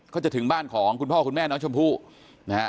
ถึงบ้านของคุณพ่อคุณแม่น้องชมพู่นะฮะ